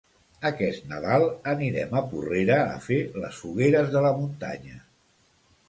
Aquest Nadal anirem a Porrera a fer les fogueres de la muntanya.